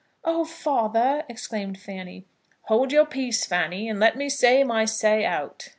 "Oh, father!" exclaimed Fanny. "Hold your peace, Fanny, and let me say my say out.